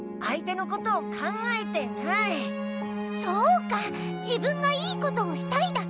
そうか自分が良いことをしたいだけ。